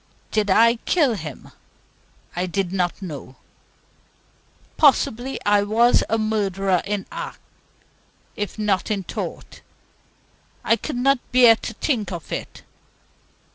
Did I kill him? I did not know. Possibly I was a murderer in act, if not in thought. I could not bear to think of it.